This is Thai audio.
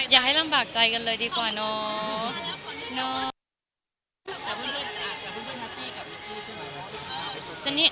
อย่าให้ลำบากใจกันเลยดีกว่าเนาะ